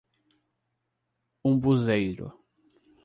Umbuzeiro